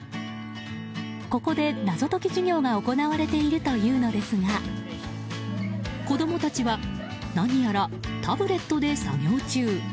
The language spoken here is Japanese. ここで謎解き授業が行われているというのですが子供たちは何やらタブレットで作業中。